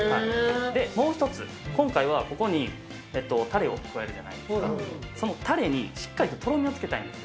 もう一つ、今回はここにたれを加えるじゃないですか、そのたれにしっかりととろみをつけたいんですよ。